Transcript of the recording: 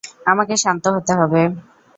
আমাকে শান্ত হতে হবে।